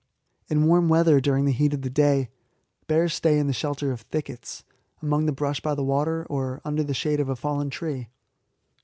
In warm weather, during the heat of the day, bears stay in the shelter of thickets, among the brush by the water or under the shade of a fallen tree.